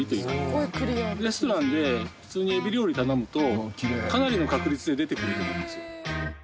レストランで普通にエビ料理頼むとかなりの確率で出てくると思いますよ。